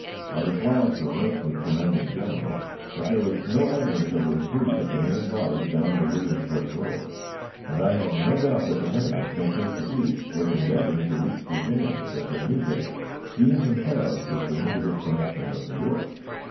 ... I replied (to a note from the commanding General) that there was no evidence of a retreat of the main body down the Williamsburg road, and I had no doubt that the enemy, since his defeat, was endeavoring to reach the James as a new base, being compelled to surrender his connection with the York.